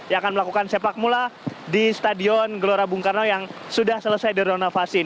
yang akan melakukan sepak bola di stadion gelora bung karno yang sudah selesai direnovasi